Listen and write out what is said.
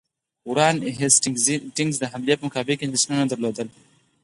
وارن هیسټینګز د حملې په مقابل کې اندېښنه نه درلوده.